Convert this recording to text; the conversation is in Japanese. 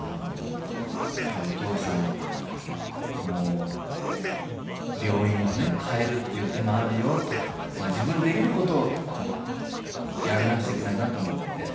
「じゃあお父さんもう病院をね変えるっていう手もあるよ」とか自分にできる事をやらなくちゃいけないなと思って。